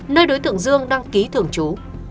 nơi đối tượng dương đăng ký thường trú